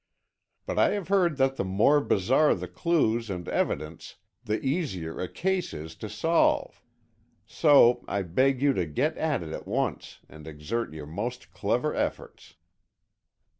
But I have heard that the more bizarre the clues and evidence, the easier a case is to solve. So, I beg you to get at it at once and exert your most clever efforts."